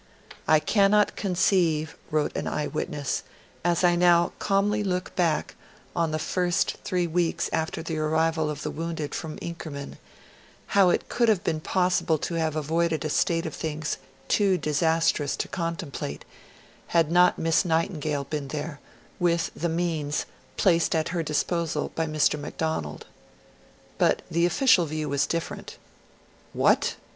'I cannot conceive,' wrote an eye witness, 'as I now calmly look back on the first three weeks after the arrival of the wounded from Inkerman, how it could have been possible to have avoided a state of things too disastrous to contemplate, had not Miss Nightingale been there, with the means placed at her disposal by Mr. Macdonald.' But the official view was different. What!